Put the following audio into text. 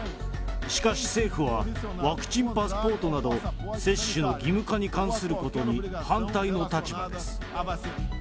しかし政府は、ワクチンパスポートなど、接種の義務化に関することに反対の立場です。